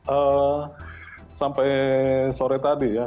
eee sampai sore tadi ya